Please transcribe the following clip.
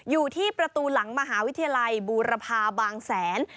อยู่ที่ประตูหลังมหาวิทยาลัยบูรพาบางแสน